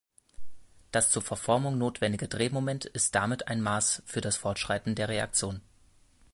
Das zur Verformung notwendige Drehmoment ist damit ein Maß für das Fortschreiten der Reaktion.